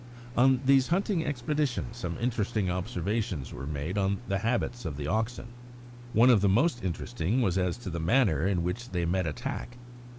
On these hunting expeditions some interesting observations were made on the habits of the oxen. One of the most interesting was as to the manner in which they met attack.